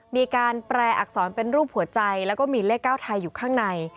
มีการแปลอักษรเป็นรูปหัวใจแล้วก็มีเลข๙ไทยอยู่ข้างใน